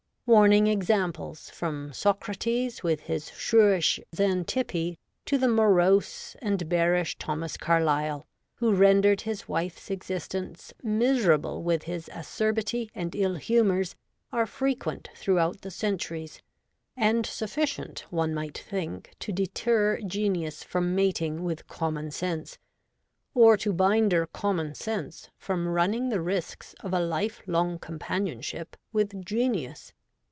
Warning examples, from Socrates with his shrewish Xanthippe, to the morose and bearish SOME ILL MADE MATCHES. 97 Thomas Carlyle, who rendered his wife's existence miserable with his acerbity and ill humours, are frequent throughout the centuries, and sufficient, one might think, to deter Genius from mating with Com mon sense, or to hinder Common sense from running the risks of a lifelong companionship with Genius.